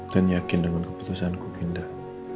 dan yakin dengan keputusan ku pindah